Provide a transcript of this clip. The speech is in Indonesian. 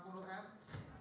jembatan nomor sembilan belas